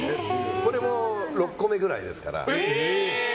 これも６個目くらいですから。